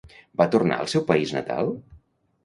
Va tornar al seu país natal?